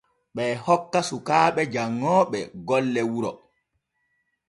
Ɓee hokka sukaaɓe janŋooɓe golle wuro.